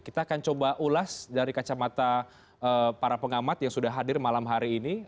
kita akan coba ulas dari kacamata para pengamat yang sudah hadir malam hari ini